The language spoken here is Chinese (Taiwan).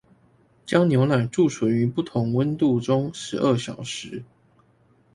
將牛奶貯存於不同溫度中十二小時